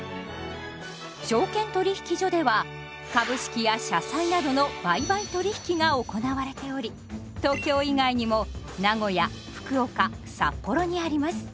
証券取引所では株式や社債などの売買取引が行われており東京以外にも名古屋福岡札幌にあります。